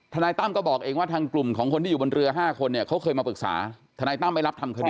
นายตั้มก็บอกเองว่าทางกลุ่มของคนที่อยู่บนเรือ๕คนเนี่ยเขาเคยมาปรึกษาทนายตั้มไม่รับทำคดี